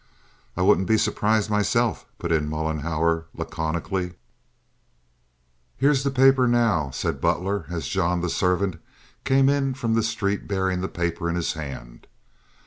"I wouldn't be surprised myself," put in Mollenhauer, laconically. "Here's the paper now," said Butler, as John, the servant, came in from the street bearing the paper in his hand.